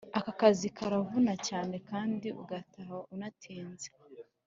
Aka kazi karavuna cyane kandi ugataha unatinze